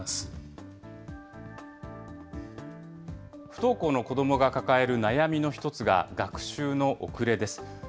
不登校の子どもが抱える悩みの一つが、学習の遅れです。